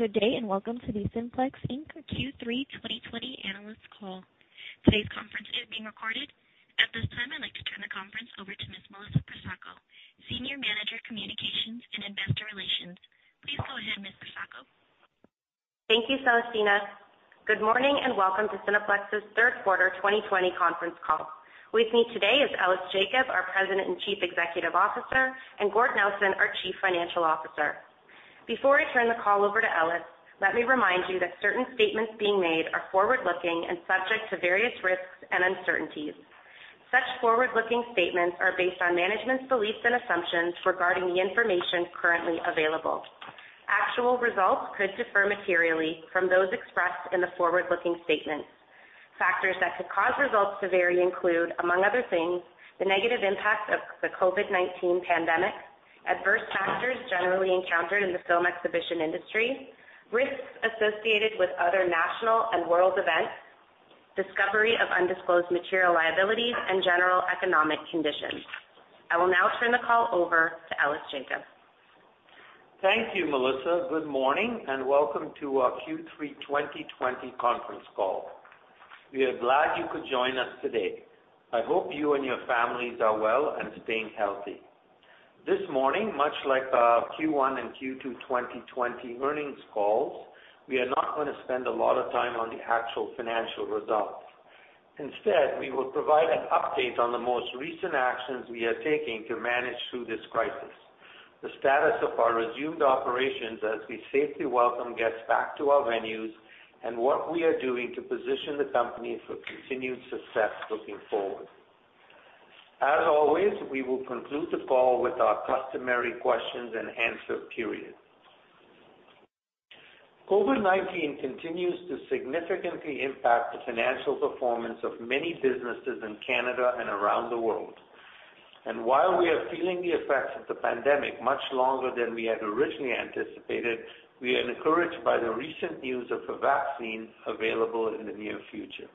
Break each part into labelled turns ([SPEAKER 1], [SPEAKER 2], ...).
[SPEAKER 1] Good day, welcome to the Cineplex Inc. Q3 2020 analyst call. Today's conference is being recorded. At this time, I'd like to turn the conference over to Ms. Melissa Pressacco, Senior Manager, Communications and Investor Relations. Please go ahead, Ms. Pressacco.
[SPEAKER 2] Thank you, Celestina. Good morning, and welcome to Cineplex's third quarter 2020 conference call. With me today is Ellis Jacob, our President and Chief Executive Officer, and Gord Nelson, our Chief Financial Officer. Before I turn the call over to Ellis, let me remind you that certain statements being made are forward-looking and subject to various risks and uncertainties. Such forward-looking statements are based on management's beliefs and assumptions regarding the information currently available. Actual results could differ materially from those expressed in the forward-looking statements. Factors that could cause results to vary include, among other things, the negative impact of the COVID-19 pandemic, adverse factors generally encountered in the film exhibition industry, risks associated with other national and world events, discovery of undisclosed material liabilities, and general economic conditions. I will now turn the call over to Ellis Jacob.
[SPEAKER 3] Thank you, Melissa. Good morning, and welcome to our Q3 2020 conference call. We are glad you could join us today. I hope you and your families are well and staying healthy. This morning, much like our Q1 and Q2 2020 earnings calls, we are not going to spend a lot of time on the actual financial results. Instead, we will provide an update on the most recent actions we are taking to manage through this crisis, the status of our resumed operations as we safely welcome guests back to our venues, and what we are doing to position the company for continued success looking forward. As always, we will conclude the call with our customary questions and answer period. COVID-19 continues to significantly impact the financial performance of many businesses in Canada and around the world. While we are feeling the effects of the pandemic much longer than we had originally anticipated, we are encouraged by the recent news of a vaccine available in the near future.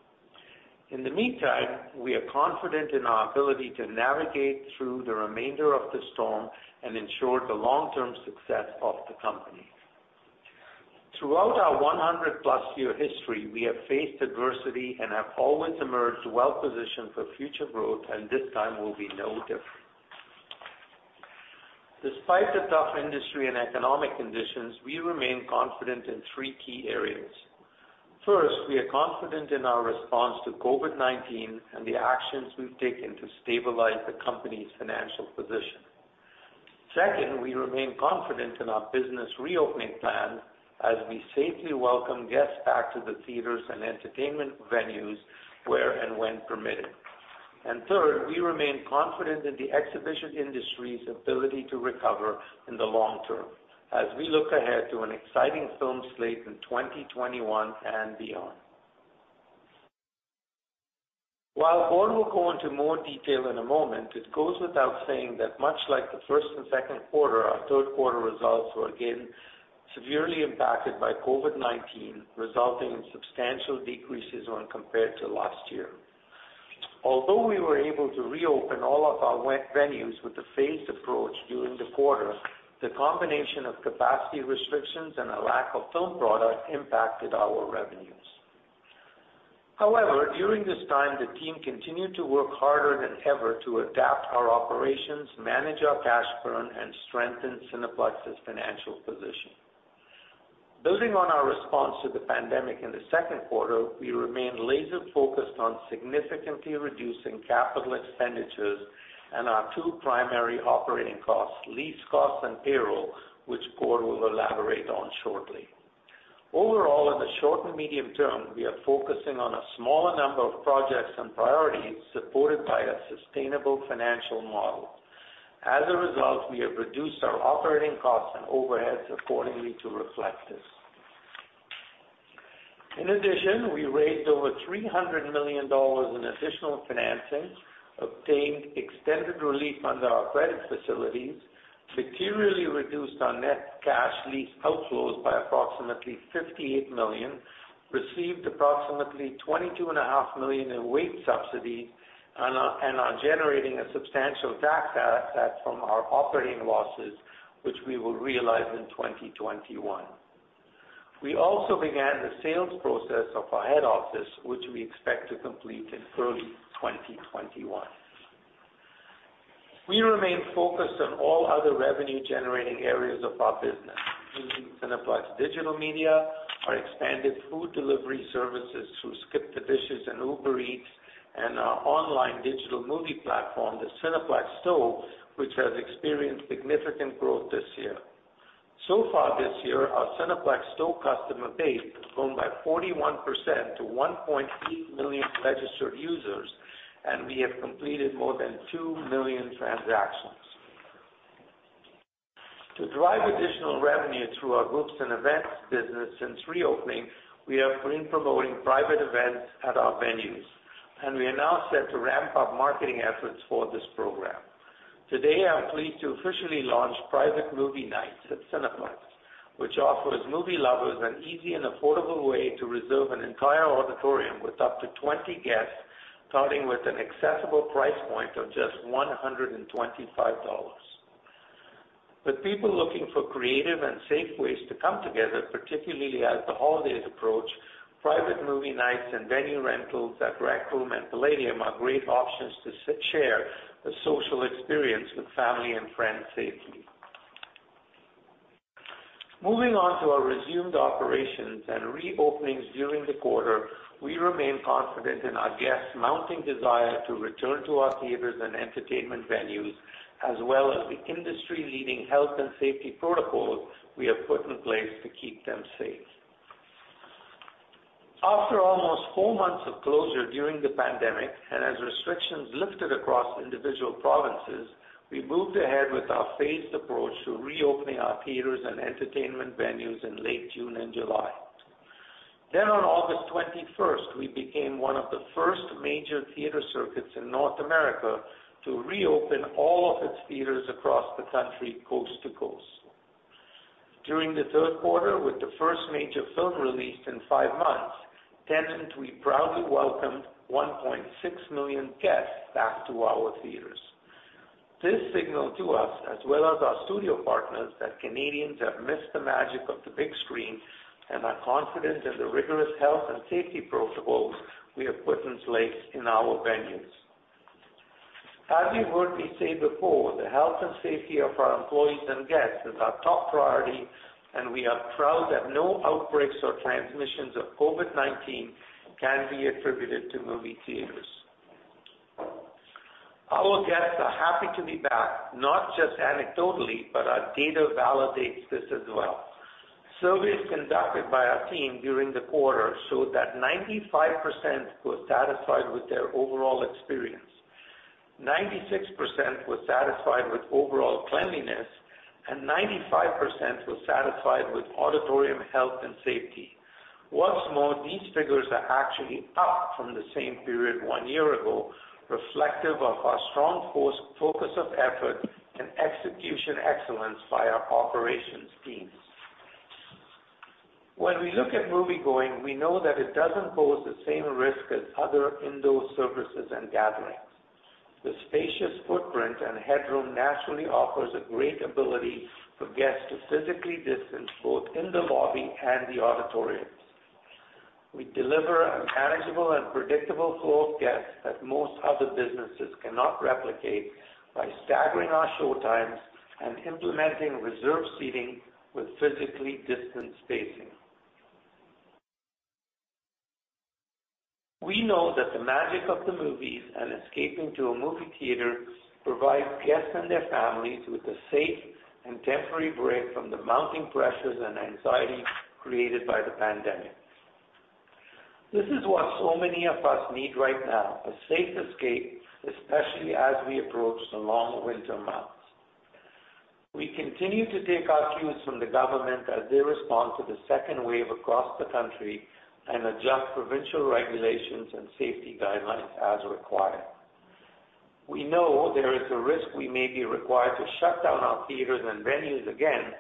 [SPEAKER 3] In the meantime, we are confident in our ability to navigate through the remainder of the storm and ensure the long-term success of the company. Throughout our 100+ year history, we have faced adversity and have always emerged well-positioned for future growth, and this time will be no different. Despite the tough industry and economic conditions, we remain confident in three key areas. First, we are confident in our response to COVID-19 and the actions we've taken to stabilize the company's financial position. Second, we remain confident in our business reopening plan as we safely welcome guests back to the theaters and entertainment venues where and when permitted. Third, we remain confident in the exhibition industry's ability to recover in the long term as we look ahead to an exciting film slate in 2021 and beyond. While Gord will go into more detail in a moment, it goes without saying that much like the first and second quarter, our third quarter results were again severely impacted by COVID-19, resulting in substantial decreases when compared to last year. Although we were able to reopen all of our event venues with a phased approach during the quarter, the combination of capacity restrictions and a lack of film product impacted our revenues. However, during this time, the team continued to work harder than ever to adapt our operations, manage our cash burn, and strengthen Cineplex's financial position. Building on our response to the pandemic in the second quarter, we remain laser-focused on significantly reducing capital expenditures and our two primary operating costs, lease costs and payroll, which Gord will elaborate on shortly. Overall, in the short and medium term, we are focusing on a smaller number of projects and priorities supported by a sustainable financial model. As a result, we have reduced our operating costs and overheads accordingly to reflect this. In addition, we raised over 300 million dollars in additional financing, obtained extended relief under our credit facilities, materially reduced our net cash lease outflows by approximately 58 million, received approximately 22.5 million in wage subsidies, and are generating a substantial tax asset from our operating losses, which we will realize in 2021. We also began the sales process of our head office, which we expect to complete in early 2021. We remain focused on all other revenue-generating areas of our business, including Cineplex Digital Media, our expanded food delivery services through SkipTheDishes and Uber Eats, and our online digital movie platform, the Cineplex Store, which has experienced significant growth this year. So far this year, our Cineplex Store customer base has grown by 41% to 1.8 million registered users, and we have completed more than 2 million transactions. To drive additional revenue through our groups and events business since reopening, we have been promoting private events at our venues, and we are now set to ramp up marketing efforts for this program. Today, I'm pleased to officially launch Private Movie Nights at Cineplex, which offers movie lovers an easy and affordable way to reserve an entire auditorium with up to 20 guests. Starting with an accessible price point of just 125 dollars. With people looking for creative and safe ways to come together, particularly as the holidays approach, private movie nights and venue rentals at The Rec Room and Playdium are great options to share a social experience with family and friends safely. Moving on to our resumed operations and reopenings during the quarter, we remain confident in our guests' mounting desire to return to our theaters and entertainment venues, as well as the industry-leading health and safety protocols we have put in place to keep them safe. After almost four months of closure during the pandemic, and as restrictions lifted across individual provinces, we moved ahead with our phased approach to reopening our theaters and entertainment venues in late June and July. On August 21st, we became one of the first major theater circuits in North America to reopen all of its theaters across the country, coast to coast. During the third quarter, with the first major film release in five months, Tenet, we proudly welcomed 1.6 million guests back to our theaters. This signaled to us, as well as our studio partners, that Canadians have missed the magic of the big screen and are confident in the rigorous health and safety protocols we have put in place in our venues. As you've heard me say before, the health and safety of our employees and guests is our top priority, and we are proud that no outbreaks or transmissions of COVID-19 can be attributed to movie theaters. Our guests are happy to be back, not just anecdotally, but our data validates this as well. Surveys conducted by our team during the quarter showed that 95% were satisfied with their overall experience. 96% were satisfied with overall cleanliness, and 95% were satisfied with auditorium health and safety. What's more, these figures are actually up from the same period one year ago, reflective of our strong focus of effort and execution excellence by our operations teams. When we look at moviegoing, we know that it doesn't pose the same risk as other indoor services and gatherings. The spacious footprint and headroom naturally offers a great ability for guests to physically distance both in the lobby and the auditoriums. We deliver a manageable and predictable flow of guests that most other businesses cannot replicate by staggering our show times and implementing reserved seating with physically distant spacing. We know that the magic of the movies and escaping to a movie theater provides guests and their families with a safe and temporary break from the mounting pressures and anxiety created by the pandemic. This is what so many of us need right now, a safe escape, especially as we approach the long winter months. We continue to take our cues from the government as they respond to the second wave across the country and adjust provincial regulations and safety guidelines as required. We know there is a risk we may be required to shut down our theaters and venues again,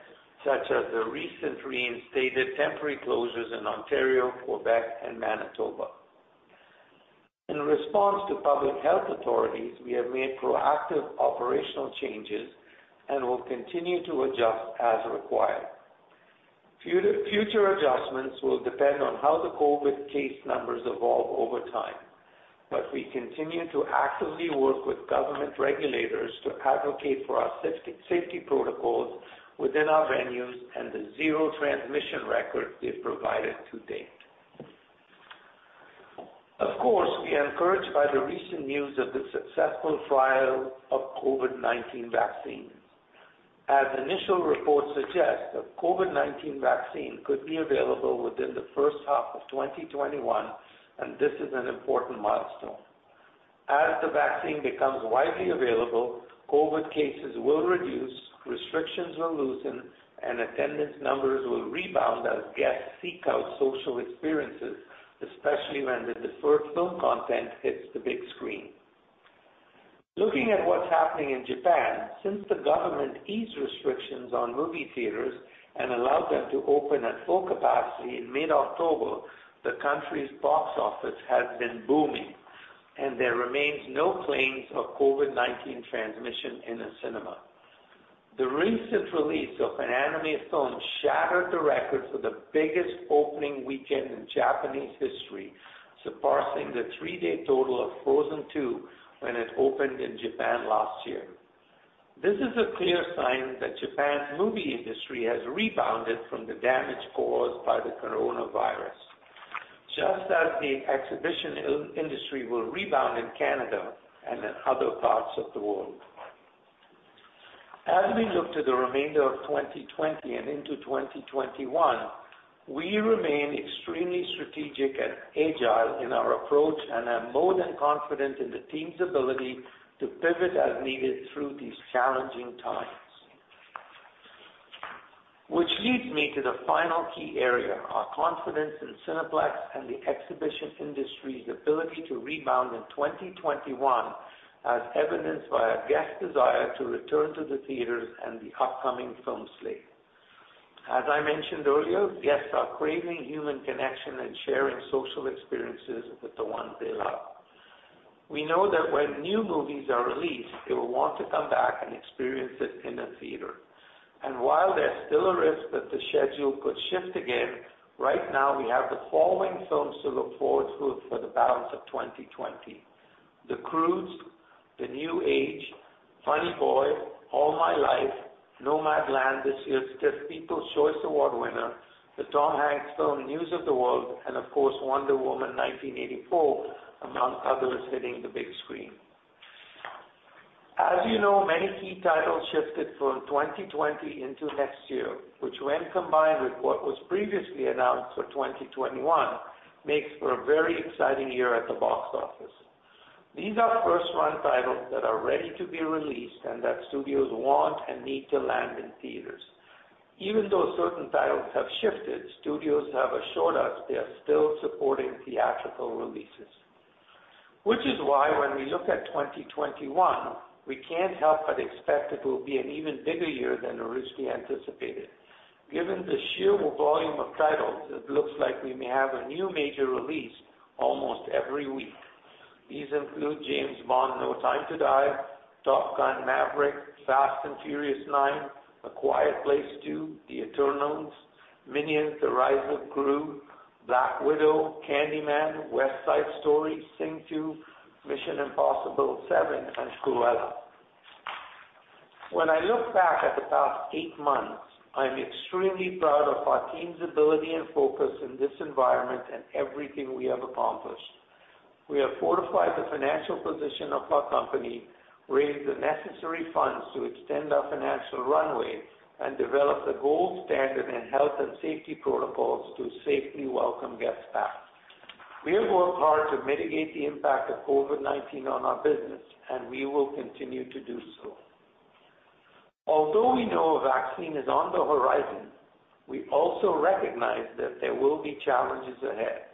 [SPEAKER 3] such as the recent reinstated temporary closures in Ontario, Quebec, and Manitoba. In response to public health authorities, we have made proactive operational changes and will continue to adjust as required. Future adjustments will depend on how the COVID case numbers evolve over time. We continue to actively work with government regulators to advocate for our safety protocols within our venues and the zero transmission record we've provided to date. Of course, we are encouraged by the recent news of the successful trial of COVID-19 vaccines. As initial reports suggest, a COVID-19 vaccine could be available within the first half of 2021, and this is an important milestone. As the vaccine becomes widely available, COVID cases will reduce, restrictions will loosen, and attendance numbers will rebound as guests seek out social experiences, especially when the deferred film content hits the big screen. Looking at what's happening in Japan, since the government eased restrictions on movie theaters and allowed them to open at full capacity in mid-October, the country's box office has been booming, and there remains no claims of COVID-19 transmission in a cinema. The recent release of an anime film shattered the record for the biggest opening weekend in Japanese history, surpassing the three-day total of Frozen II when it opened in Japan last year. This is a clear sign that Japan's movie industry has rebounded from the damage caused by the coronavirus, just as the exhibition industry will rebound in Canada and in other parts of the world. As we look to the remainder of 2020 and into 2021, we remain extremely strategic and agile in our approach and am more than confident in the team's ability to pivot as needed through these challenging times. Which leads me to the final key area, our confidence in Cineplex and the exhibition industry's ability to rebound in 2021 as evidenced by a guest desire to return to the theaters and the upcoming film slate. As I mentioned earlier, guests are craving human connection and sharing social experiences with the ones they love. We know that when new movies are released, they will want to come back and experience it in a theater. While there's still a risk that the schedule could shift again, right now we have the following films to look forward to for the balance of 2020: "The Croods: A New Age," "Funny Boy," "All My Life," "Nomadland," this year's People's Choice Award winner, the Tom Hanks film, "News of the World," and of course, "Wonder Woman 1984," among others hitting the big screen. As you know, many key titles shifted from 2020 into next year, which when combined with what was previously announced for 2021, makes for a very exciting year at the box office. These are first-run titles that are ready to be released and that studios want and need to land in theaters. Even though certain titles have shifted, studios have assured us they are still supporting theatrical releases. Which is why when we look at 2021, we can't help but expect it will be an even bigger year than originally anticipated. Given the sheer volume of titles, it looks like we may have a new major release almost every week. These include "James Bond: No Time to Die," "Top Gun: Maverick," "Fast & Furious 9," "A Quiet Place Part II," "The Eternals," "Minions: The Rise of Gru," "Black Widow," "Candyman," "West Side Story," "Sing 2," "Mission: Impossible 7," and "Cruella." When I look back at the past eight months, I'm extremely proud of our team's ability and focus in this environment and everything we have accomplished. We have fortified the financial position of our company, raised the necessary funds to extend our financial runway, and developed the gold standard in health and safety protocols to safely welcome guests back. We have worked hard to mitigate the impact of COVID-19 on our business, and we will continue to do so. Although we know a vaccine is on the horizon, we also recognize that there will be challenges ahead.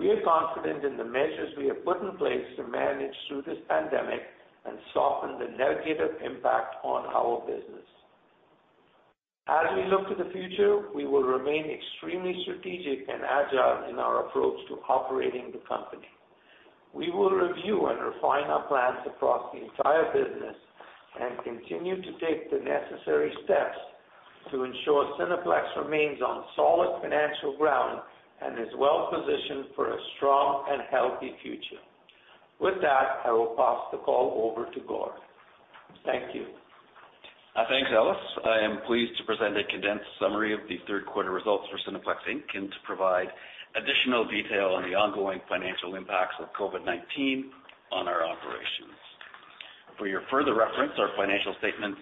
[SPEAKER 3] We are confident in the measures we have put in place to manage through this pandemic and soften the negative impact on our business. As we look to the future, we will remain extremely strategic and agile in our approach to operating the company. We will review and refine our plans across the entire business and continue to take the necessary steps to ensure Cineplex remains on solid financial ground and is well-positioned for a strong and healthy future. With that, I will pass the call over to Gord. Thank you.
[SPEAKER 4] Thanks, Ellis. I am pleased to present a condensed summary of the third quarter results for Cineplex Inc. and to provide additional detail on the ongoing financial impacts of COVID-19 on our operations. For your further reference, our financial statements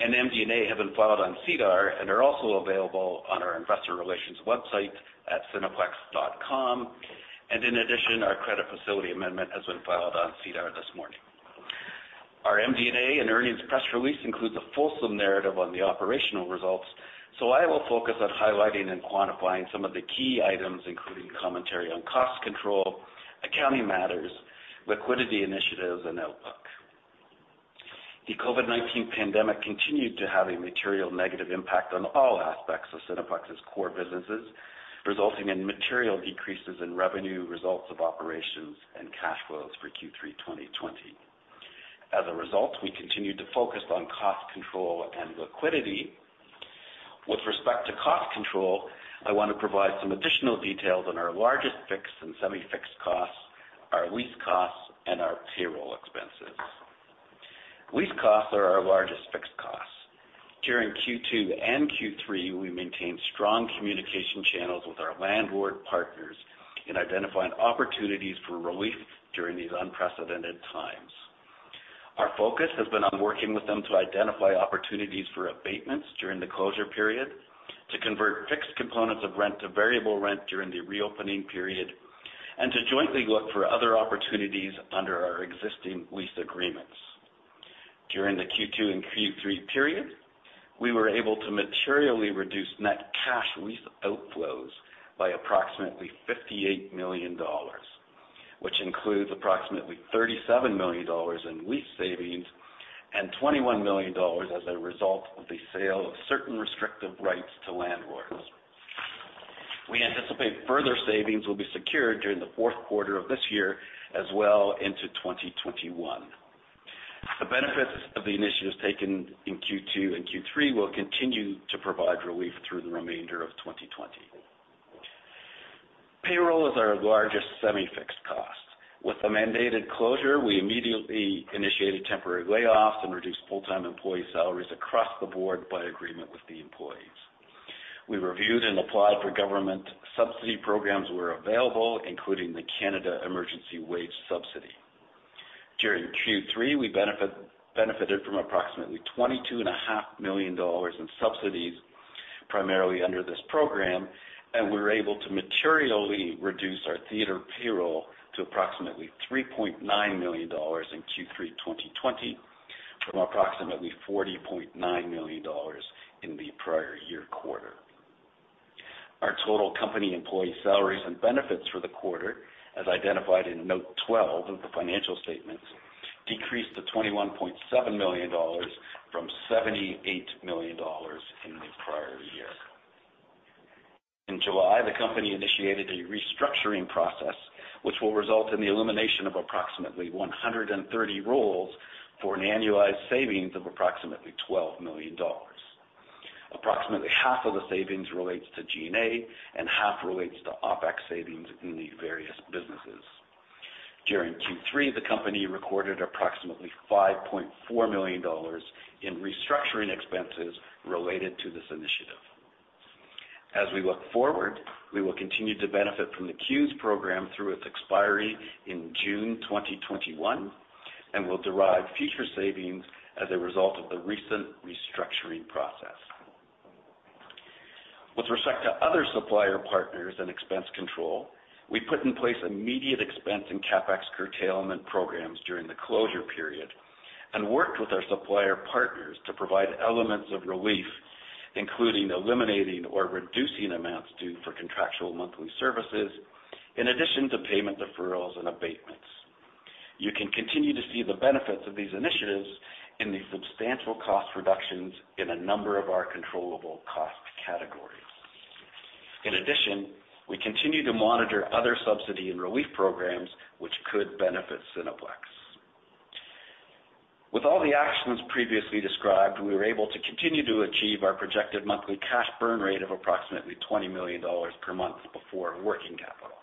[SPEAKER 4] and MD&A have been filed on SEDAR and are also available on our Investor Relations website at cineplex.com. In addition, our credit facility amendment has been filed on SEDAR this morning. Our MD&A and earnings press release includes a fulsome narrative on the operational results, so I will focus on highlighting and quantifying some of the key items, including commentary on cost control, accounting matters, liquidity initiatives, and outlook. The COVID-19 pandemic continued to have a material negative impact on all aspects of Cineplex's core businesses, resulting in material decreases in revenue, results of operations, and cash flows for Q3 2020. As a result, we continued to focus on cost control and liquidity. With respect to cost control, I want to provide some additional details on our largest fixed and semi-fixed costs, our lease costs, and our payroll expenses. Lease costs are our largest fixed costs. During Q2 and Q3, we maintained strong communication channels with our landlord partners in identifying opportunities for relief during these unprecedented times. Our focus has been on working with them to identify opportunities for abatements during the closure period, to convert fixed components of rent to variable rent during the reopening period, and to jointly look for other opportunities under our existing lease agreements. During the Q2 and Q3 period, we were able to materially reduce net cash lease outflows by approximately 58 million dollars, which includes approximately 37 million dollars in lease savings and 21 million dollars as a result of the sale of certain restrictive rights to landlords. We anticipate further savings will be secured during the fourth quarter of this year, as well into 2021. The benefits of the initiatives taken in Q2 and Q3 will continue to provide relief through the remainder of 2020. Payroll is our largest semi-fixed cost. With the mandated closure, we immediately initiated temporary layoffs and reduced full-time employee salaries across the board by agreement with the employees. We reviewed and applied for government subsidy programs where available, including the Canada Emergency Wage Subsidy. During Q3, we benefited from approximately 22.5 million dollars in subsidies, primarily under this program, and we were able to materially reduce our theater payroll to approximately 3.9 million dollars in Q3 2020 from approximately 40.9 million dollars in the prior year quarter. Our total company employee salaries and benefits for the quarter, as identified in Note 12 of the financial statements, decreased to 21.7 million dollars from 78 million dollars in the prior year. In July, the company initiated a restructuring process, which will result in the elimination of approximately 130 roles for an annualized savings of approximately 12 million dollars. Approximately half of the savings relates to G&A and half relates to OpEx savings in the various businesses. During Q3, the company recorded approximately 5.4 million dollars in restructuring expenses related to this initiative. As we look forward, we will continue to benefit from the CEWS program through its expiry in June 2021 and will derive future savings as a result of the recent restructuring process. With respect to other supplier partners and expense control, we put in place immediate expense in CapEx curtailment programs during the closure period and worked with our supplier partners to provide elements of relief, including eliminating or reducing amounts due for contractual monthly services, in addition to payment deferrals and abatements. You can continue to see the benefits of these initiatives in the substantial cost reductions in a number of our controllable cost categories. In addition, we continue to monitor other subsidy and relief programs which could benefit Cineplex. With all the actions previously described, we were able to continue to achieve our projected monthly cash burn rate of approximately 20 million dollars per month before working capital.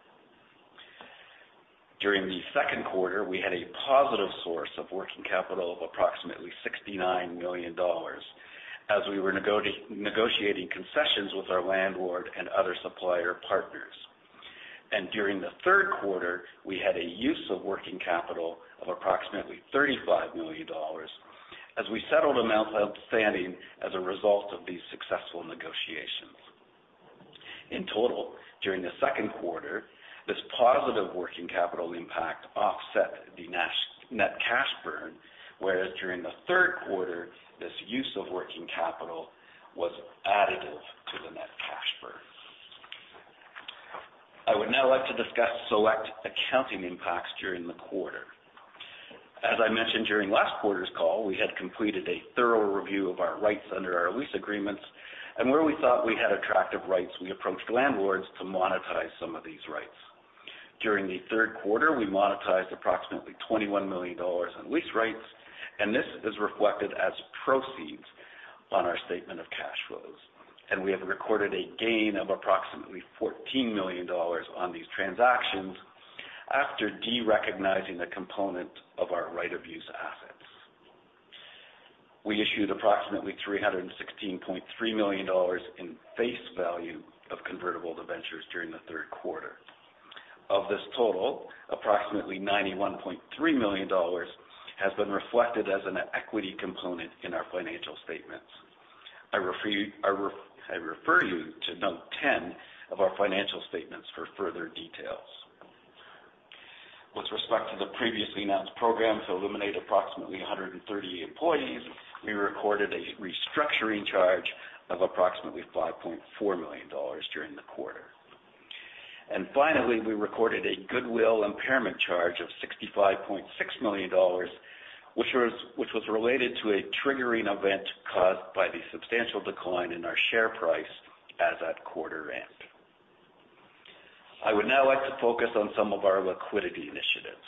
[SPEAKER 4] During the second quarter, we had a positive source of working capital of approximately 69 million dollars as we were negotiating concessions with our landlord and other supplier partners. During the third quarter, we had a use of working capital of approximately 35 million dollars as we settled amounts outstanding as a result of these successful negotiations. In total, during the second quarter, this positive working capital impact offset the net cash burn, whereas during the third quarter, this use of working capital was additive to the net cash burn. I would now like to discuss select accounting impacts during the quarter. As I mentioned during last quarter's call, we had completed a thorough review of our rights under our lease agreements, and where we thought we had attractive rights, we approached landlords to monetize some of these rights. During the third quarter, we monetized approximately 21 million dollars in lease rights. This is reflected as proceeds on our statement of cash flows. We have recorded a gain of approximately 14 million dollars on these transactions after derecognizing the component of our right of use assets. We issued approximately 316.3 million dollars in face value of convertible debentures during the third quarter. Of this total, approximately 91.3 million dollars has been reflected as an equity component in our financial statements. I refer you to Note 10 of our financial statements for further details. With respect to the previously announced program to eliminate approximately 130 employees, we recorded a restructuring charge of approximately 5.4 million dollars during the quarter. Finally, we recorded a goodwill impairment charge of 65.6 million dollars, which was related to a triggering event caused by the substantial decline in our share price as at quarter end. I would now like to focus on some of our liquidity initiatives.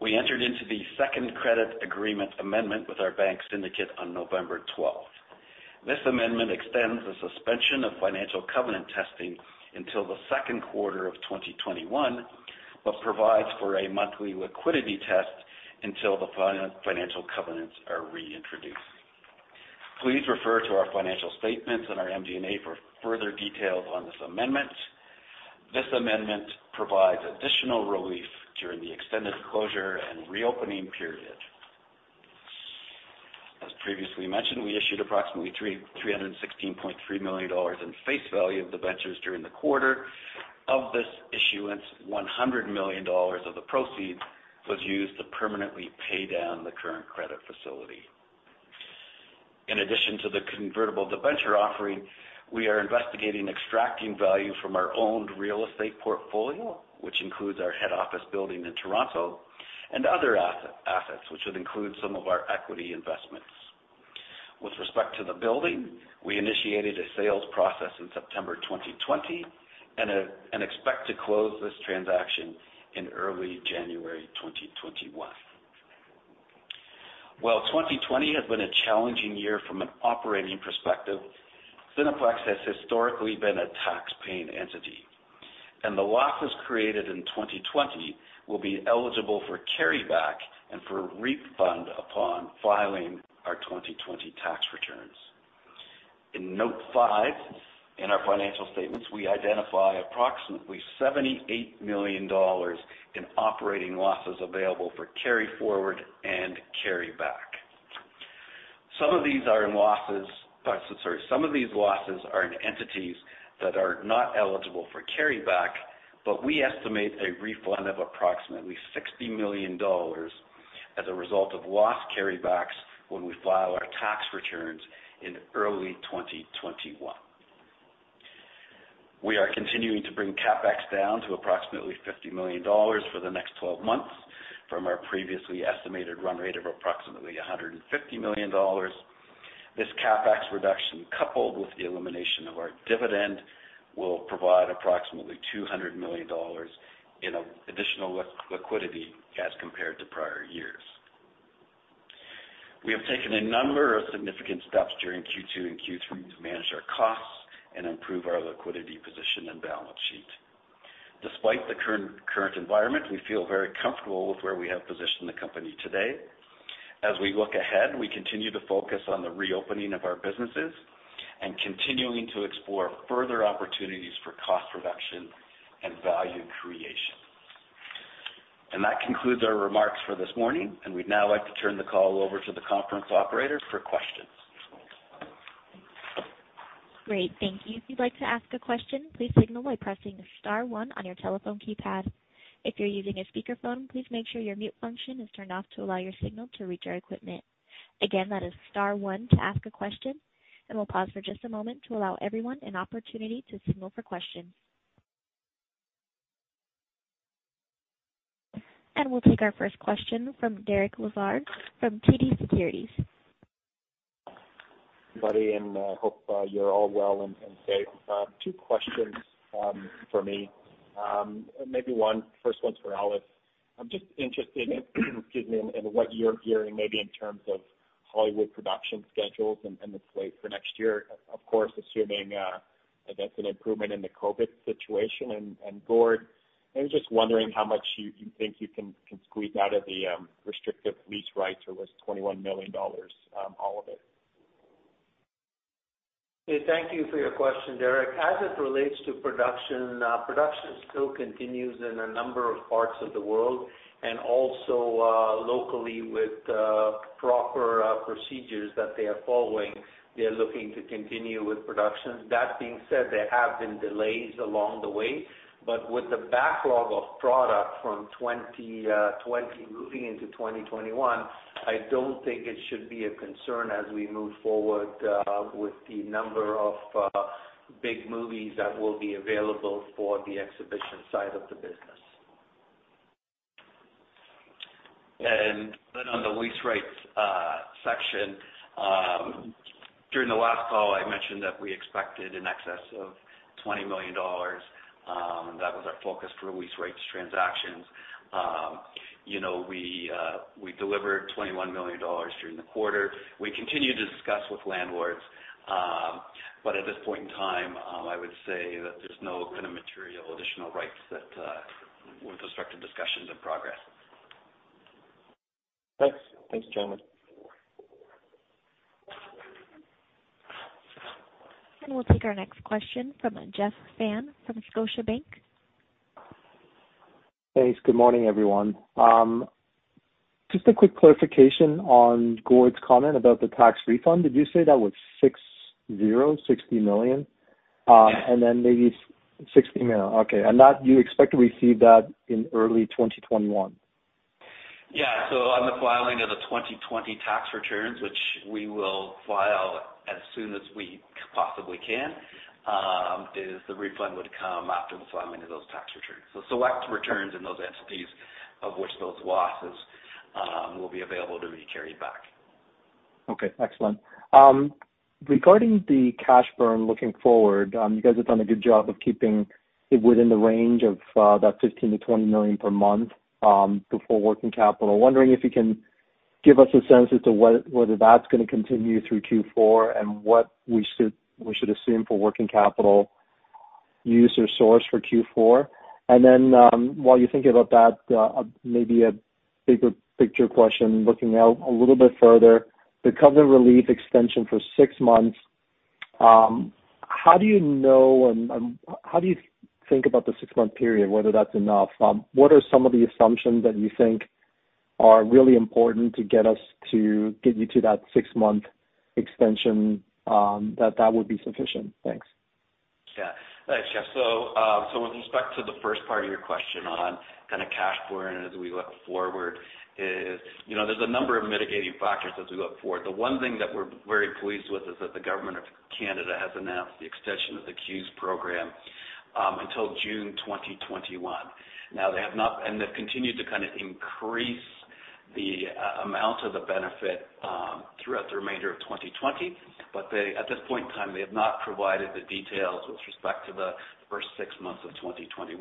[SPEAKER 4] We entered into the Second Credit Agreement Amendment with our bank syndicate on November 12th. This amendment extends the suspension of financial covenant testing until the second quarter of 2021, but provides for a monthly liquidity test until the financial covenants are reintroduced. Please refer to our financial statements and our MD&A for further details on this amendment. This amendment provides additional relief during the extended closure and reopening period. As previously mentioned, we issued approximately 316.3 million dollars in face value of debentures during the quarter. Of this issuance, 100 million dollars of the proceeds was used to permanently pay down the current credit facility. In addition to the convertible debenture offering, we are investigating extracting value from our owned real estate portfolio, which includes our head office building in Toronto and other assets, which would include some of our equity investments. With respect to the building, we initiated a sales process in September 2020 and expect to close this transaction in early January 2021. While 2020 has been a challenging year from an operating perspective, Cineplex has historically been a tax-paying entity, and the losses created in 2020 will be eligible for carryback and for refund upon filing our 2020 tax returns. In Note 5 in our financial statements, we identify approximately 78 million dollars in operating losses available for carry forward and carryback. Some of these losses are in entities that are not eligible for carryback, but we estimate a refund of approximately 60 million dollars. As a result of loss carrybacks when we file our tax returns in early 2021. We are continuing to bring CapEx down to approximately 50 million dollars for the next 12 months from our previously estimated run rate of approximately 150 million dollars. This CapEx reduction, coupled with the elimination of our dividend, will provide approximately 200 million dollars in additional liquidity as compared to prior years. We have taken a number of significant steps during Q2 and Q3 to manage our costs and improve our liquidity position and balance sheet. Despite the current environment, we feel very comfortable with where we have positioned the company today. As we look ahead, we continue to focus on the reopening of our businesses and continuing to explore further opportunities for cost reduction and value creation. That concludes our remarks for this morning, and we'd now like to turn the call over to the conference operator for questions.
[SPEAKER 1] Great. Thank you. If you'd like to ask a question, please signal by pressing star one on your telephone keypad. If you're using a speakerphone, please make sure your mute function is turned off to allow your signal to reach our equipment. Again, that is star one to ask a question. We'll pause for just a moment to allow everyone an opportunity to signal for questions. We'll take our first question from Derek Lessard from TD Securities.
[SPEAKER 5] Buddy, I hope you're all well and safe. Two questions from me. Maybe first one's for Ellis. I'm just interested in what you're hearing maybe in terms of Hollywood production schedules and the slate for next year. Of course, assuming, I guess, an improvement in the COVID situation and, Gord, maybe just wondering how much you think you can squeeze out of the restrictive lease rights or was 21 million dollars all of it?
[SPEAKER 3] Okay, thank you for your question, Derek. As it relates to production still continues in a number of parts of the world, and also locally with proper procedures that they are following. They're looking to continue with production. That being said, there have been delays along the way, but with the backlog of product from 2020 moving into 2021, I don't think it should be a concern as we move forward with the number of big movies that will be available for the exhibition side of the business.
[SPEAKER 4] On the lease rights section, during the last call, I mentioned that we expected in excess of 20 million dollars. That was our focus for lease rights transactions. We delivered 21 million dollars during the quarter. We continue to discuss with landlords, but at this point in time, I would say that there's no kind of material additional rights that we've conducted discussions in progress.
[SPEAKER 5] Thanks. Thanks, gentlemen.
[SPEAKER 1] We'll take our next question from Jeff Fan from Scotiabank.
[SPEAKER 6] Thanks. Good morning, everyone. Just a quick clarification on Gord's comment about the tax refund. Did you say that was 60, 60 million? Maybe 60 million. Okay. That you expect to receive that in early 2021?
[SPEAKER 4] Yeah. On the filing of the 2020 tax returns, which we will file as soon as we possibly can, the refund would come after the filing of those tax returns. Select returns in those entities of which those losses will be available to be carried back.
[SPEAKER 6] Okay, excellent. Regarding the cash burn looking forward, you guys have done a good job of keeping it within the range of that 15 million-20 million per month, before working capital. Wondering if you can give us a sense as to whether that's going to continue through Q4 and what we should assume for working capital use or source for Q4. While you think about that, maybe a bigger picture question, looking out a little bit further, the COVID relief extension for six months. How do you know, and how do you think about the six-month period, whether that's enough? What are some of the assumptions that you think are really important to get us to get you to that six-month extension, that that would be sufficient? Thanks.
[SPEAKER 4] Yeah. Thanks, Jeff. With respect to the first part of your question on kind of cash burn as we look forward is, there's a number of mitigating factors as we look forward. The one thing that we're very pleased with is that the government of Canada has announced the extension of the CEWS program until June 2021. They have not, and they've continued to kind of increase the amount of the benefit throughout the remainder of 2020. At this point in time, they have not provided the details with respect to the first six months of 2021.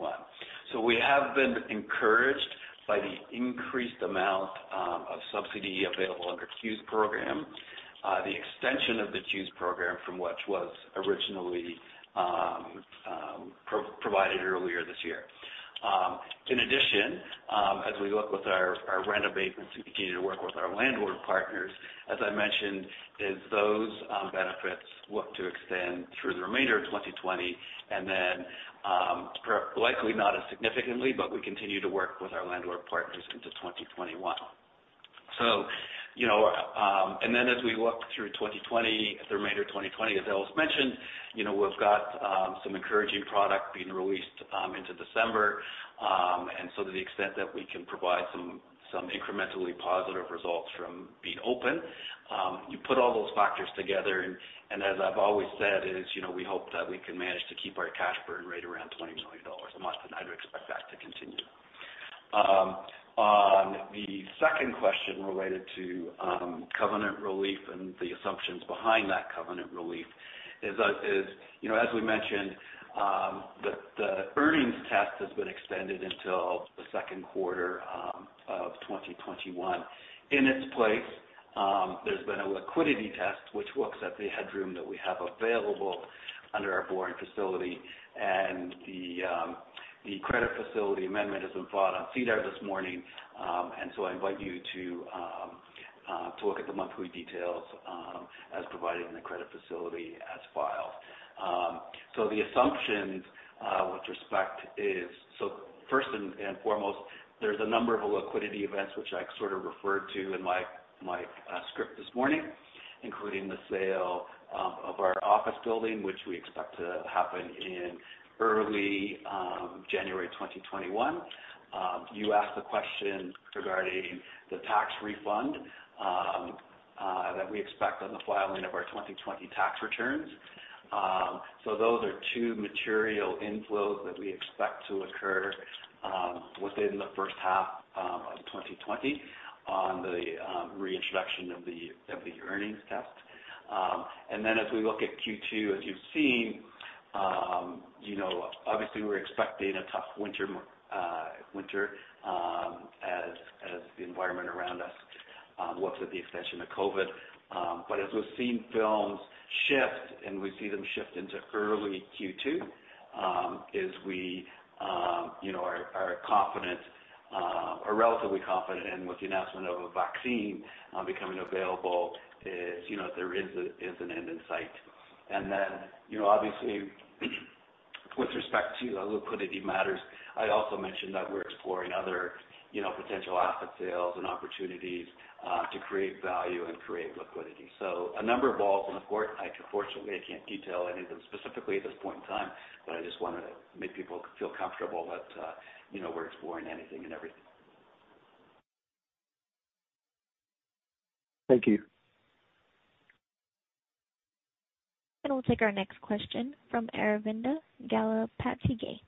[SPEAKER 4] We have been encouraged by the increased amount of subsidy available under CEWS program, the extension of the CEWS program from which was originally provided earlier this year. In addition, as we look with our rent abatements and continue to work with our landlord partners, as I mentioned, is those benefits look to extend through the remainder of 2020 and then, likely not as significantly, but we continue to work with our landlord partners into 2021. As we look through the remainder of 2020, as Ellis mentioned, we've got some encouraging product being released into December. To the extent that we can provide some incrementally positive results from being open, you put all those factors together and as I've always said is, we hope that we can manage to keep our cash burn rate around 20 million dollars a month, and I'd expect that to continue. On the second question related to covenant relief and the assumptions behind that covenant relief is, as we mentioned, the earnings test has been extended until the second quarter of 2021. In its place, there's been a liquidity test which looks at the headroom that we have available under our borrowing facility and the credit facility amendment has been filed on SEDAR this morning. I invite you to look at the monthly details as provided in the credit facility as filed. The assumptions with respect is, first and foremost, there's a number of liquidity events which I sort of referred to in my script this morning, including the sale of our office building, which we expect to happen in early January 2021. You asked a question regarding the tax refund that we expect on the filing of our 2020 tax returns. Those are two material inflows that we expect to occur within the first half of 2020 on the reintroduction of the earnings test. As we look at Q2, as you've seen obviously, we're expecting a tough winter as the environment around us works with the extension of COVID. As we've seen films shift and we see them shift into early Q2, is we are confident, or relatively confident in with the announcement of a vaccine becoming available is there is an end in sight. Obviously with respect to liquidity matters, I also mentioned that we're exploring other potential asset sales and opportunities to create value and create liquidity. A number of balls in the court. Unfortunately, I can't detail any of them specifically at this point in time, but I just wanted to make people feel comfortable that we're exploring anything and everything.
[SPEAKER 6] Thank you.
[SPEAKER 1] We'll take our next question from Aravinda Galappatthige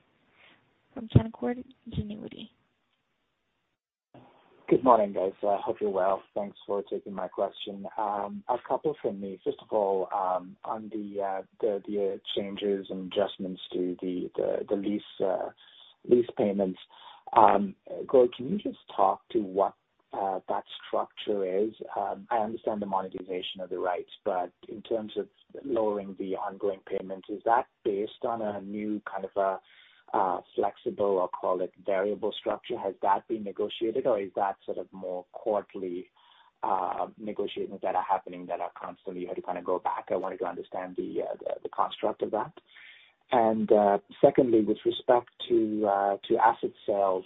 [SPEAKER 1] from Canaccord Genuity.
[SPEAKER 7] Good morning, guys. Hope you're well. Thanks for taking my question. A couple from me. First of all, on the changes and adjustments to the lease payments. Gord, can you just talk to what that structure is? I understand the monetization of the rights, but in terms of lowering the ongoing payment, is that based on a new kind of a flexible, I'll call it variable structure? Has that been negotiated or is that sort of more quarterly negotiations that are happening that are constantly you had to kind of go back? I wanted to understand the construct of that. Secondly, with respect to asset sales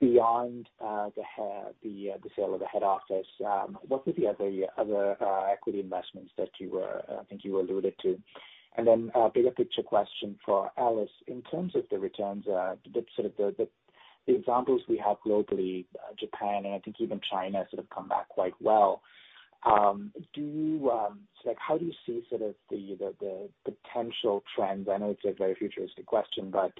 [SPEAKER 7] beyond the sale of the head office, what were the other equity investments that I think you alluded to? A bigger picture question for Ellis. In terms of the returns, the sort of the examples we have globally, Japan and I think even China sort of come back quite well. How do you see sort of the potential trends? I know it's a very futuristic question, but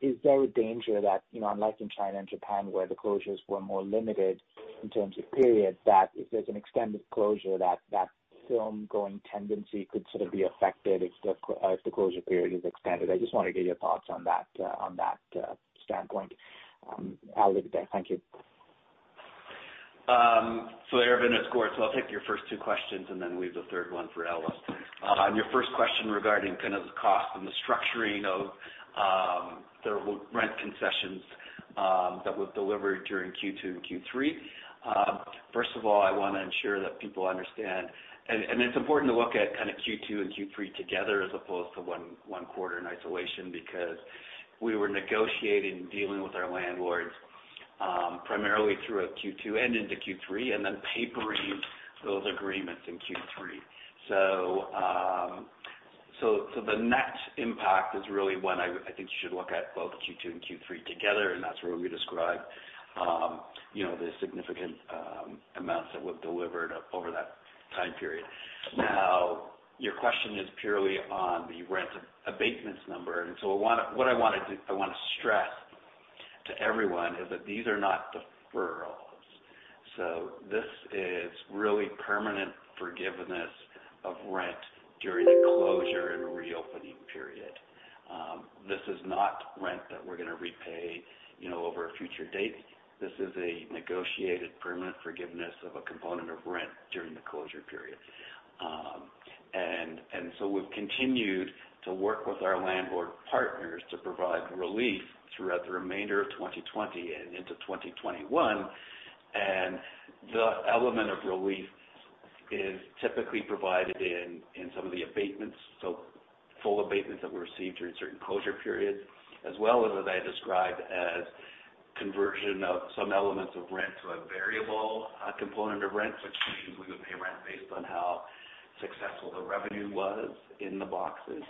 [SPEAKER 7] is there a danger that, unlike in China and Japan, where the closures were more limited in terms of period, that if there's an extended closure that film-going tendency could sort of be affected if the closure period is extended? I just want to get your thoughts on that standpoint. I'll leave it there. Thank you.
[SPEAKER 4] Aravinda, it's Gord. I'll take your first two questions and then leave the third one for Ellis. On your first question regarding kind of the cost and the structuring of the rent concessions that were delivered during Q2 and Q3. First of all, I want to ensure that people understand and it's important to look at kind of Q2 and Q3 together as opposed to one quarter in isolation because we were negotiating and dealing with our landlords, primarily throughout Q2 and into Q3, and then papering those agreements in Q3. The net impact is really when I think you should look at both Q2 and Q3 together, and that's where we describe the significant amounts that we've delivered over that time period. Your question is purely on the rent abatements number. What I want to stress to everyone is that these are not deferrals. This is really permanent forgiveness of rent during the closure and reopening period. This is not rent that we're going to repay over a future date. This is a negotiated permanent forgiveness of a component of rent during the closure period. We've continued to work with our landlord partners to provide relief throughout the remainder of 2020 and into 2021. The element of relief is typically provided in some of the abatements, so full abatements that were received during certain closure periods, as well as what I described as conversion of some elements of rent to a variable component of rent, which means we would pay rent based on how successful the revenue was in the boxes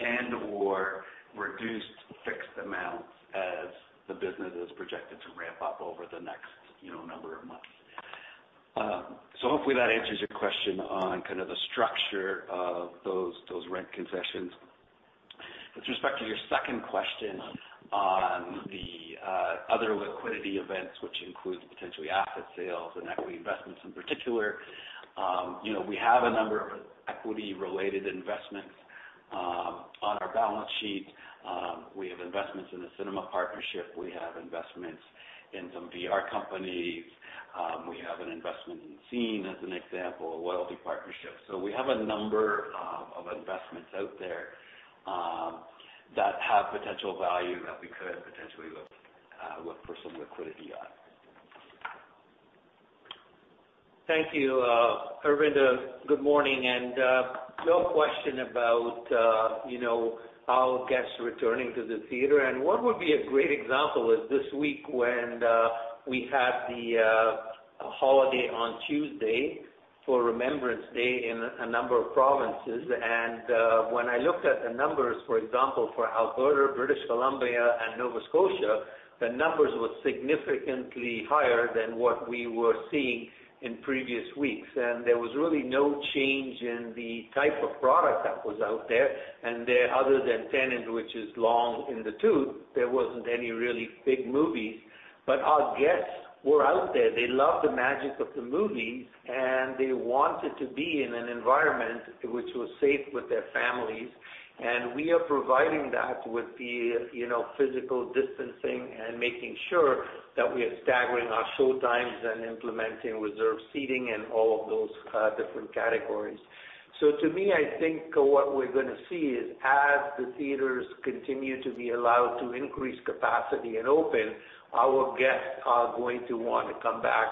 [SPEAKER 4] and/or reduced fixed amounts as the business is projected to ramp up over the next number of months. Hopefully that answers your question on the structure of those rent concessions. With respect to your second question on the other liquidity events, which includes potentially asset sales and equity investments in particular. We have a number of equity-related investments on our balance sheet. We have investments in a cinema partnership. We have investments in some VR companies. We have an investment in Scene+, as an example, a loyalty partnership. We have a number of investments out there that have potential value that we could potentially look for some liquidity on.
[SPEAKER 3] Thank you. Aravinda, good morning. Your question about our guests returning to the theater. What would be a great example is this week when we had the holiday on Tuesday for Remembrance Day in a number of provinces. When I looked at the numbers, for example, for Alberta, British Columbia, and Nova Scotia, the numbers were significantly higher than what we were seeing in previous weeks. There was really no change in the type of product that was out there. Other than "Tenet" which is long in the tooth, there wasn't any really big movies. Our guests were out there. They love the magic of the movies, and they wanted to be in an environment which was safe with their families, and we are providing that with the physical distancing and making sure that we are staggering our show times and implementing reserved seating and all of those different categories. To me, I think what we're going to see is as the theaters continue to be allowed to increase capacity and open, our guests are going to want to come back.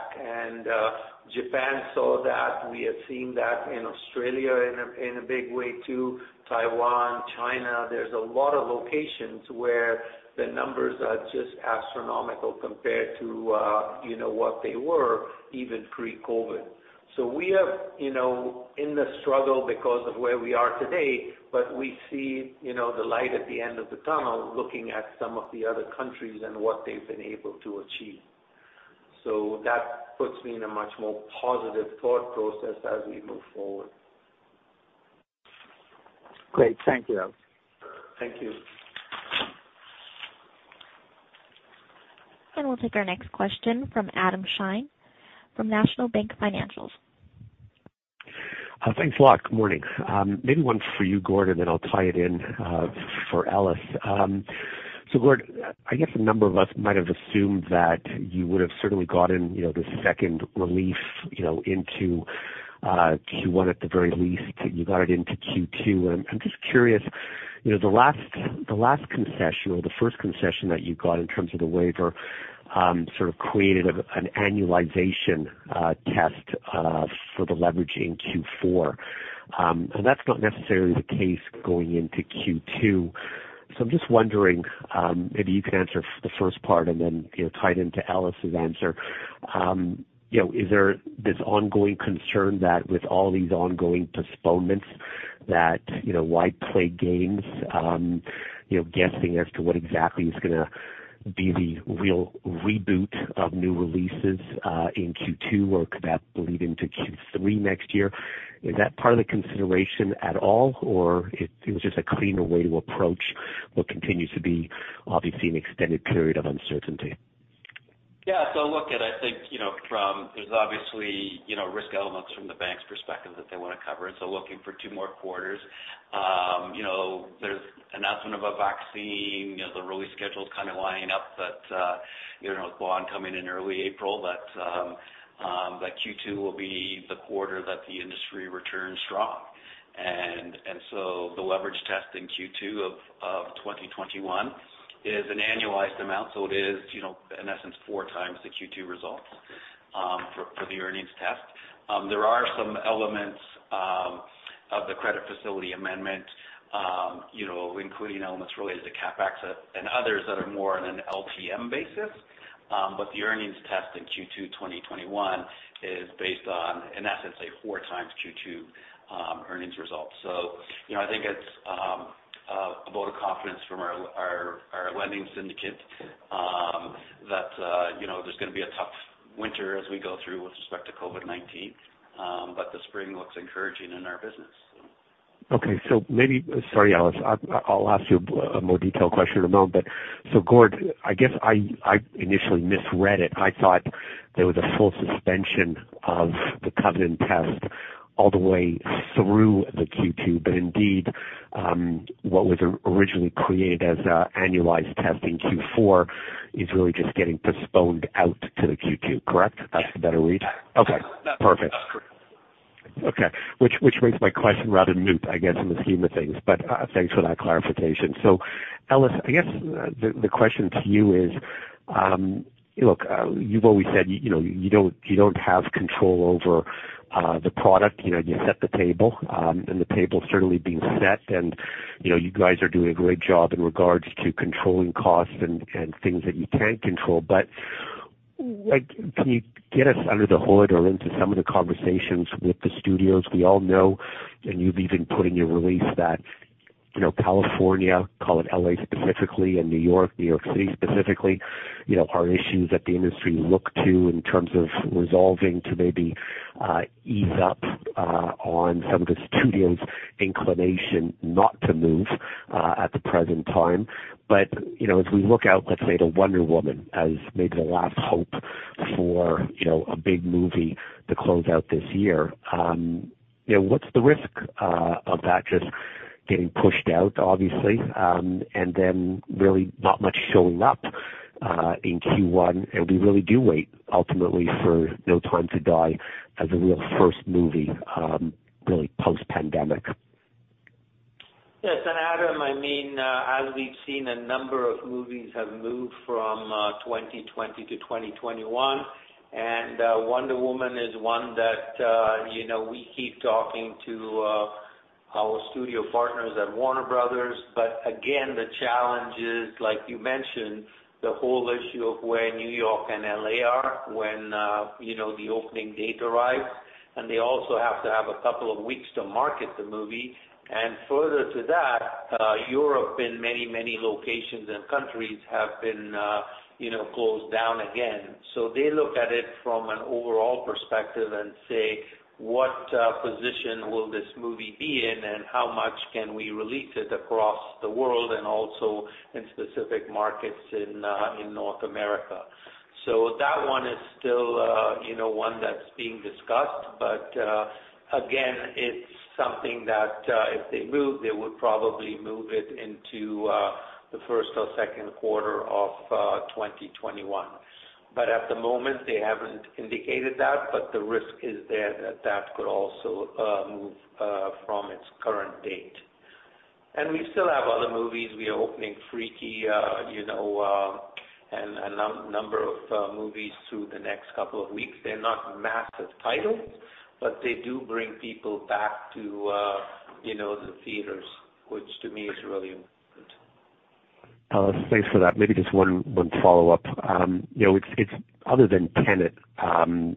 [SPEAKER 3] Japan saw that. We have seen that in Australia in a big way too, Taiwan, China. There's a lot of locations where the numbers are just astronomical compared to what they were even pre-COVID. We are in the struggle because of where we are today, but we see the light at the end of the tunnel looking at some of the other countries and what they've been able to achieve. That puts me in a much more positive thought process as we move forward.
[SPEAKER 7] Great. Thank you, Ellis.
[SPEAKER 3] Thank you.
[SPEAKER 1] We'll take our next question from Adam Shine from National Bank Financial.
[SPEAKER 8] Thanks a lot. Good morning. Maybe one for you, Gord, and then I'll tie it in for Ellis. Gord, I guess a number of us might have assumed that you would have certainly gotten the second relief into Q1 at the very least. You got it into Q2. I'm just curious, the last concession or the first concession that you got in terms of the waiver sort of created an annualization test for the leverage in Q4. That's not necessarily the case going into Q2. I'm just wondering, maybe you could answer the first part and then tie it into Ellis's answer. Is there this ongoing concern that with all these ongoing postponements that, why play games guessing as to what exactly is going to be the real reboot of new releases in Q2, or could that bleed into Q3 next year? Is that part of the consideration at all, or it was just a cleaner way to approach what continues to be obviously an extended period of uncertainty?
[SPEAKER 4] Yeah. Looking at, I think there's obviously risk elements from the bank's perspective that they want to cover. Looking for two more quarters. There's announcement of a vaccine, the release schedules kind of lining up that with Bond coming in early April, that Q2 will be the quarter that the industry returns strong. The leverage test in Q2 2021 is an annualized amount, so it is in essence 4x the Q2 results for the earnings test. There are some elements of the credit facility amendment including elements related to CapEx and others that are more on an LTM basis. The earnings test in Q2 2021 is based on, in essence, a 4x Q2 earnings result. I think it's a vote of confidence from our lending syndicate that there's going to be a tough winter as we go through with respect to COVID-19, but the spring looks encouraging in our business.
[SPEAKER 8] Okay. Sorry, Ellis, I'll ask you a more detailed question in a moment. Gord, I guess I initially misread it. I thought there was a full suspension of the covenant test all the way through the Q2, but indeed, what was originally created as an annualized test in Q4 is really just getting postponed out to the Q2, correct? That's the better read? Okay.
[SPEAKER 4] That's-
[SPEAKER 8] Perfect.
[SPEAKER 4] Correct.
[SPEAKER 8] Okay. Which makes my question rather moot, I guess, in the scheme of things. Thanks for that clarification. Ellis, I guess the question to you is, Look, you've always said you don't have control over the product. You set the table, and the table's certainly being set, and you guys are doing a great job in regards to controlling costs and things that you can control. Can you get us under the hood or into some of the conversations with the studios? We all know, and you've even put in your release that California, call it L.A. specifically, and New York City specifically, are issues that the industry look to in terms of resolving to maybe ease up on some of the studios' inclination not to move at the present time. As we look out, let's say, at Wonder Woman 1984 as maybe the last hope for a big movie to close out this year. What's the risk of that just getting pushed out, obviously, and then really not much showing up in Q1, and we really do wait ultimately for No Time to Die as the real first movie, really post-pandemic?
[SPEAKER 3] Yes. Adam, as we've seen, a number of movies have moved from 2020 to 2021, "Wonder Woman 1984" is one that we keep talking to our studio partners at Warner Bros. Again, the challenge is, like you mentioned, the whole issue of where New York and L.A. are when the opening date arrives. They also have to have a couple of weeks to market the movie. Further to that, Europe in many, many locations and countries have been closed down again. They look at it from an overall perspective and say, what position will this movie be in and how much can we release it across the world and also in specific markets in North America? That one is still one that's being discussed. Again, it's something that if they move, they would probably move it into the first or second quarter of 2021. At the moment, they haven't indicated that but the risk is there from its current date. We still have other movies. We are opening "Freaky," and a number of movies through the next couple of weeks. They're not massive titles, but they do bring people back to the theaters, which to me is really important.
[SPEAKER 8] Thanks for that. Maybe just one follow-up. Other than Tenet and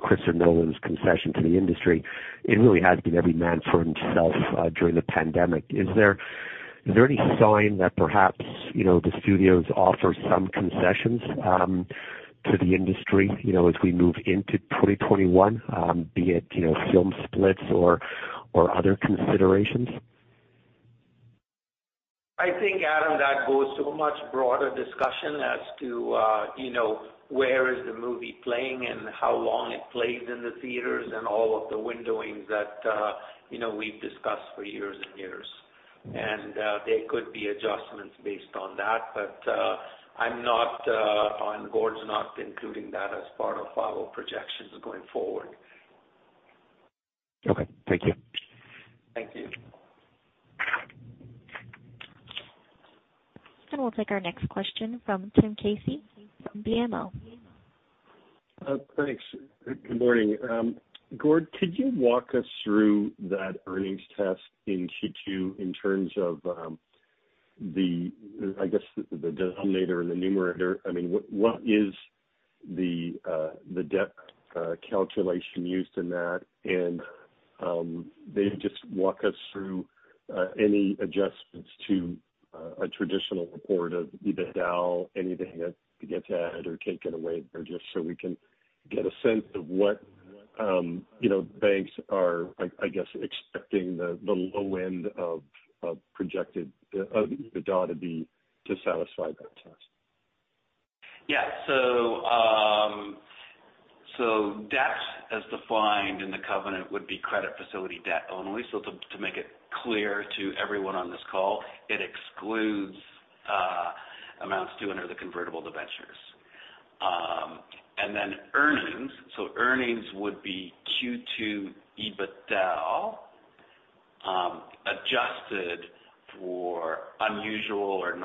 [SPEAKER 8] Christopher Nolan's concession to the industry, it really has been every man for himself during the pandemic. Is there any sign that perhaps the studios offer some concessions to the industry as we move into 2021, be it film splits or other considerations?
[SPEAKER 3] I think, Adam, that goes to a much broader discussion as to where is the movie playing and how long it plays in the theaters and all of the windowing that we've discussed for years and years. There could be adjustments based on that. I'm not, and Gord's not including that as part of our projections going forward.
[SPEAKER 8] Okay. Thank you.
[SPEAKER 3] Thank you.
[SPEAKER 1] We'll take our next question from Tim Casey from BMO.
[SPEAKER 9] Thanks. Good morning. Gord, could you walk us through that earnings test in Q2 in terms of the denominator and the numerator? What is the debt calculation used in that? Maybe just walk us through any adjustments to a traditional report of EBITDA, anything that gets added or taken away there, just so we can get a sense of what banks are, I guess, expecting the low end of projected EBITDA to be to satisfy that test.
[SPEAKER 4] Yeah. Debt as defined in the covenant would be credit facility debt only. To make it clear to everyone on this call, it excludes amounts due under the convertible debentures. Earnings. Earnings would be Q2 EBITDAaL adjusted for unusual or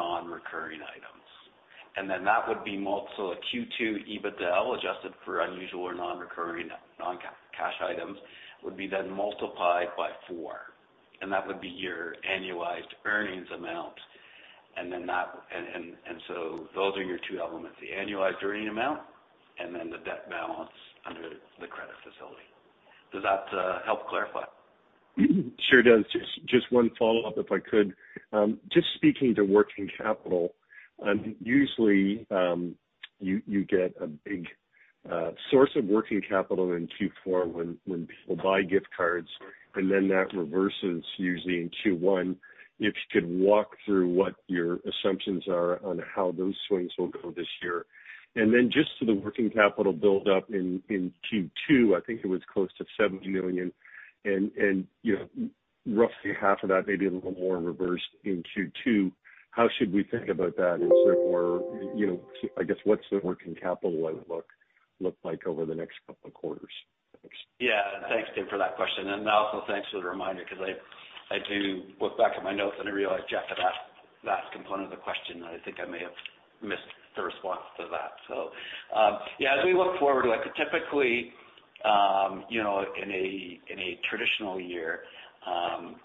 [SPEAKER 4] non-recurring items. A Q2 EBITDAaL adjusted for unusual or non-recurring non-cash items would be then multiplied by four, and that would be your annualized earnings amount. Those are your two elements, the annualized earning amount and then the debt balance under the credit facility. Does that help clarify?
[SPEAKER 9] Sure does. Just one follow-up, if I could. Just speaking to working capital. Usually, you get a big source of working capital in Q4 when people buy gift cards, and then that reverses usually in Q1. If you could walk through what your assumptions are on how those swings will go this year. And then just to the working capital build-up in Q2, I think it was close to 70 million, and roughly half of that, maybe a little more reversed in Q3. How should we think about that in sort of I guess what's the working capital outlook look like over the next couple of quarters?
[SPEAKER 4] Yeah. Thanks, Tim, for that question. Also, thanks for the reminder because I do look back at my notes and I realize, Jeff had asked that component of the question that I think I may have missed the response to that. As we look forward, typically in a traditional year,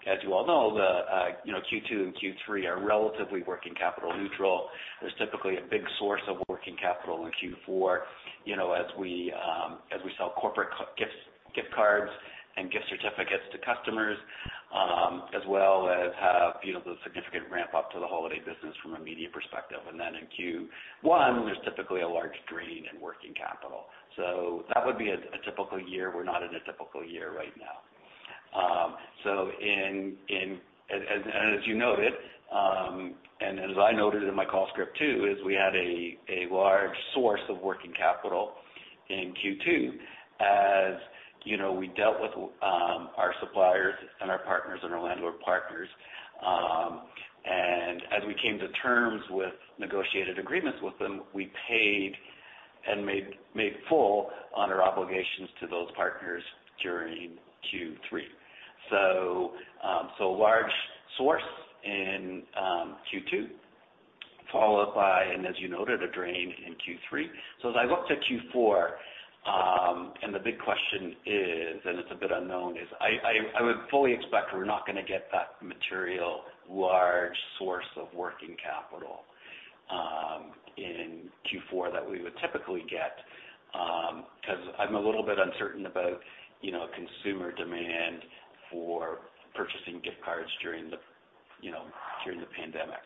[SPEAKER 4] as you all know, the Q2 and Q3 are relatively working capital neutral. There's typically a big source of working capital in Q4 as we sell corporate gift cards and gift certificates to customers, as well as have the significant ramp-up to the holiday business from a media perspective. In Q1, there's typically a large drain in working capital. That would be a typical year. We're not in a typical year right now. As you noted, and as I noted in my call script, too, is we had a large source of working capital in Q2 as we dealt with our suppliers and our partners and our landlord partners. As we came to terms with negotiated agreements with them, we paid and made full on our obligations to those partners during Q3. Large source in Q2 followed by, and as you noted, a drain in Q3. As I look to Q4, and the big question is, and it's a bit unknown, is I would fully expect we're not going to get that material large source of working capital in Q4 that we would typically get. I'm a little bit uncertain about consumer demand for purchasing gift cards during the pandemic.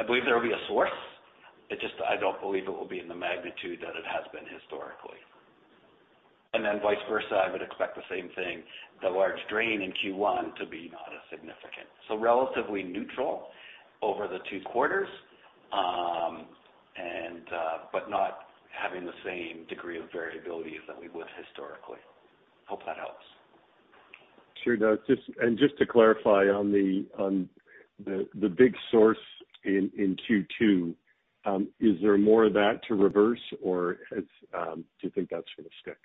[SPEAKER 4] I believe there will be a source. It's just I don't believe it will be in the magnitude that it has been historically. Vice versa, I would expect the same thing, the large drain in Q1 to be not as significant. Relatively neutral over the two quarters, but not having the same degree of variability as that we would historically. Hope that helps.
[SPEAKER 9] Sure does. Just to clarify on the big source in Q2, is there more of that to reverse, or do you think that's going to stick?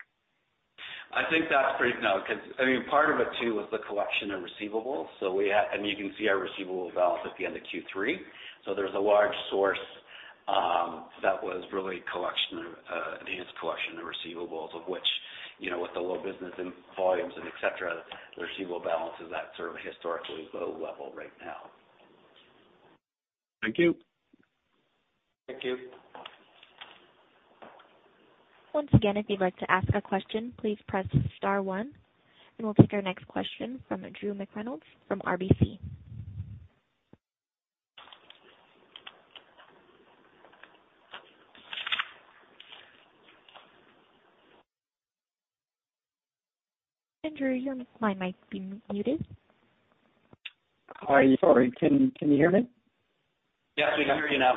[SPEAKER 4] I think that's no, because part of it too was the collection of receivables. You can see our receivables balance at the end of Q3. There's a large source that was really enhanced collection of receivables of which, with the low business volumes and et cetera, the receivable balance is at sort of a historically low level right now.
[SPEAKER 9] Thank you.
[SPEAKER 4] Thank you.
[SPEAKER 1] Once again, if you'd like to ask a question, please press star one, we'll take our next question from Drew McReynolds from RBC. Drew, your line might be muted.
[SPEAKER 10] Hi. Sorry. Can you hear me?
[SPEAKER 4] Yes, we can hear you now.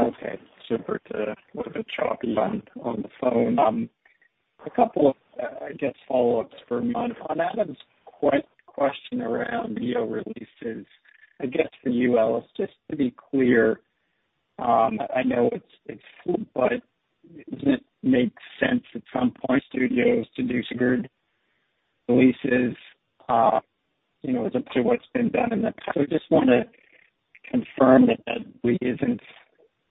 [SPEAKER 10] Okay. Super. It's a little bit choppy on the phone. A couple of follow-ups for me. On Adam's question around video releases, I guess for you, Ellis, just to be clear, I know it's fluid, but doesn't it make sense at some point, studios to do staggered releases as opposed to what's been done in the past? I just want to confirm that isn't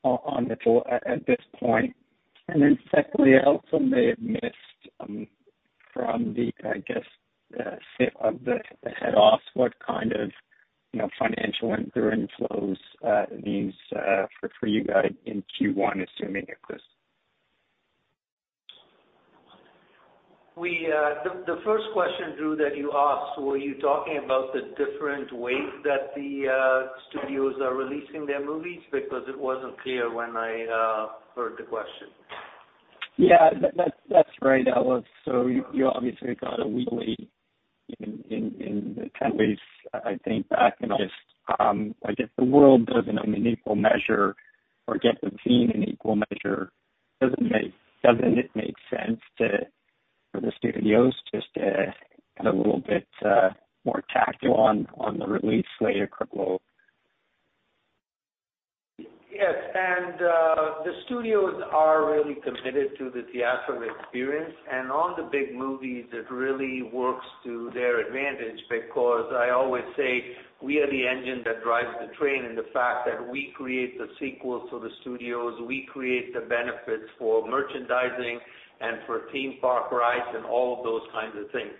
[SPEAKER 10] on the floor at this point? Secondly, I also may have missed from the head office what kind of financial and burn flows it means for you guys in Q1, assuming it goes?
[SPEAKER 3] The first question, Drew, that you asked, were you talking about the different ways that the studios are releasing their movies? Because it wasn't clear when I heard the question.
[SPEAKER 10] Yeah. That's right, Ellis. You obviously got a weekly, in the 10 days, I think, back. I guess the world does in an equal measure or get the scene in equal measure. Doesn't it make sense for the studios just to get a little bit more tactical on the release later global?
[SPEAKER 3] Yes. The studios are really committed to the theatrical experience. On the big movies, it really works to their advantage because I always say we are the engine that drives the train in the fact that we create the sequels for the studios, we create the benefits for merchandising and for theme park rides and all of those kinds of things.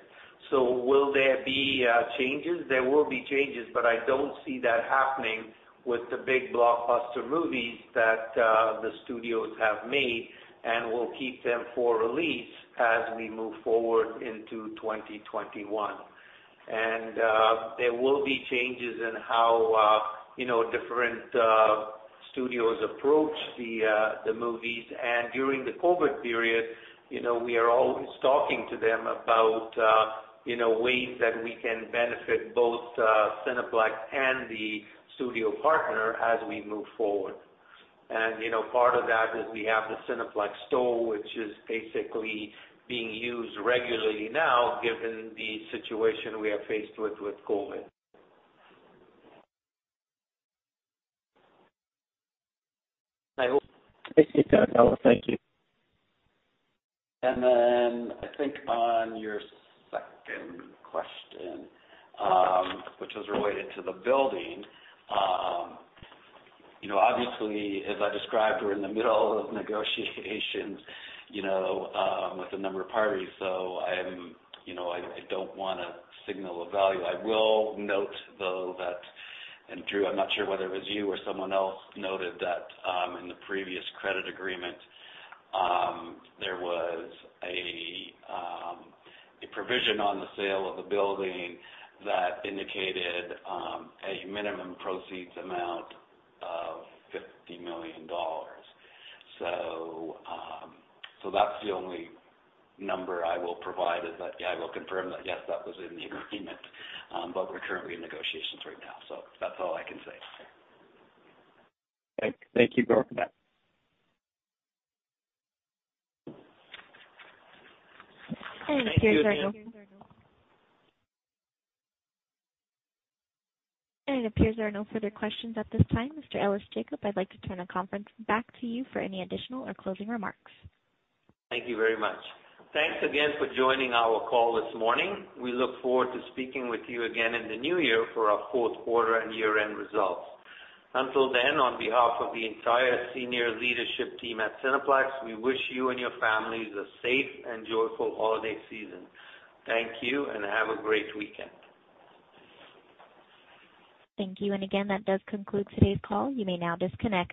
[SPEAKER 3] Will there be changes? There will be changes, but I don't see that happening with the big blockbuster movies that the studios have made and will keep them for release as we move forward into 2021. There will be changes in how different studios approach the movies. During the COVID period, we are always talking to them about ways that we can benefit both Cineplex and the studio partner as we move forward. Part of that is we have the Cineplex Store, which is basically being used regularly now, given the situation we are faced with COVID.
[SPEAKER 10] I see that, Ellis. Thank you.
[SPEAKER 4] I think on your second question, which was related to the building. Obviously, as I described, we're in the middle of negotiations with a number of parties. I don't want to signal a value. I will note, though, that, and Drew, I'm not sure whether it was you or someone else noted that in the previous credit agreement there was a provision on the sale of the building that indicated a minimum proceeds amount of CAD 50 million. That's the only number I will provide is that I will confirm that yes, that was in the agreement, but we're currently in negotiations right now. That's all I can say.
[SPEAKER 10] Thank you for that.
[SPEAKER 1] It appears there are.
[SPEAKER 4] Thank you, Drew.
[SPEAKER 1] It appears there are no further questions at this time. Mr. Ellis Jacob, I'd like to turn the conference back to you for any additional or closing remarks.
[SPEAKER 3] Thank you very much. Thanks again for joining our call this morning. We look forward to speaking with you again in the new year for our fourth quarter and year-end results. Until then, on behalf of the entire senior leadership team at Cineplex, we wish you and your families a safe and joyful holiday season. Thank you and have a great weekend.
[SPEAKER 1] Thank you. Again, that does conclude today's call. You may now disconnect.